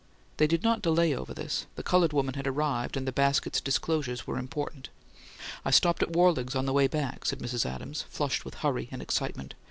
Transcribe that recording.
They did not delay over this; the coloured woman had arrived, and the basket's disclosures were important. "I stopped at Worlig's on the way back," said Mrs. Adams, flushed with hurry and excitement.